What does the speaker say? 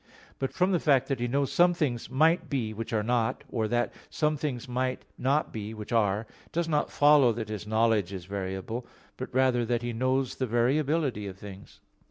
But from the fact that He knows some things might be which are not, or that some things might not be which are, it does not follow that His knowledge is variable, but rather that He knows the variability of things.